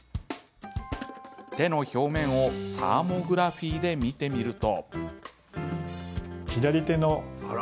手の表面をサーモグラフィーで見てみると。